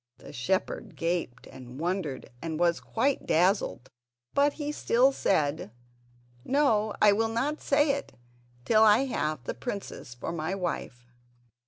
'" The shepherd gaped and wondered and was quite dazzled, but he still said: "No; I will not say it till I have the princess for my wife."